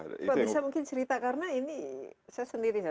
pak bisa mungkin cerita karena ini saya sendiri